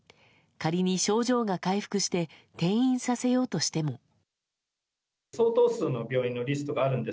仮に症状が回復して転院させようとしても。